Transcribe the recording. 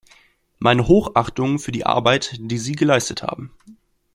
Meine Hochachtung für die Arbeit, die sie geleistet haben.